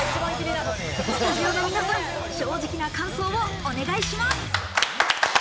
スタジオの皆さん、正直な感想をお願いします。